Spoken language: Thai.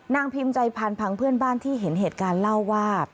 พิมพ์ใจพานพังเพื่อนบ้านที่เห็นเหตุการณ์เล่าว่า